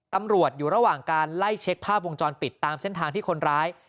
ตำรวจอยู่ระหว่างการไล่เช็คภาพวงจรปิดตามเส้นทางที่คนร้าย